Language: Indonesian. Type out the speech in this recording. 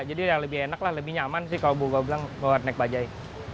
jadi lebih enak lah lebih nyaman sih kalau buk buk bilang keluar naik bajaj